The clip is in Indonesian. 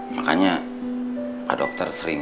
makanya pak dokter sering